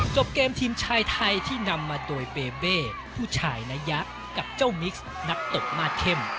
จบเกมทีมชายไทยที่นำมาโดยเปเบ้ผู้ชายนายะกับเจ้ามิกซ์นักตบมาสเข้ม